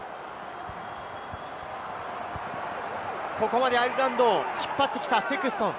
ここまでアイルランドを引っ張ってきたセクストン。